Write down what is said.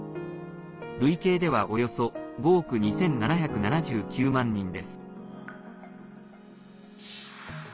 累計ではおよそ５億２７７９万人です。